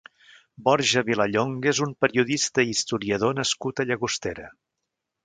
Borja Vilallonga és un periodista i historiador nascut a Llagostera.